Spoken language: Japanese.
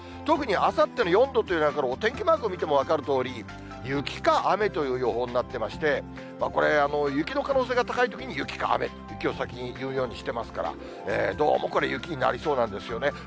特にあさっての４度というのは、お天気マークを見ても分かるとおり、雪か雨という予報になってまして、これ、雪の可能性が高いという意味で雪か雨と、雪を先に言うようにしてますから、どうもこれ、雪になりそうなんですよね。